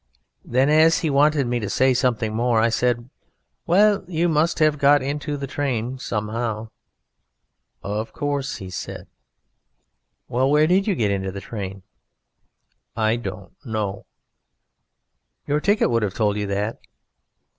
Then, as he wanted me to say something more, I said: "Well, you must have got into the train somehow." "Of course," said he. "Well, where did you get into the train?" "I don't know." "Your ticket would have told you that."